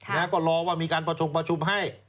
แล้วก็รอว่ามีการประชงประชุมให้